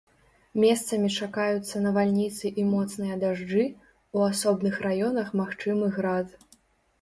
Месцамі чакаюцца навальніцы і моцныя дажджы, у асобных раёнах магчымы град.